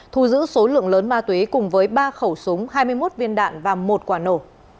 thu giữ số lượng lớn ma túy cùng với ba khẩu súng hai mươi một viên đạn và một quả nổ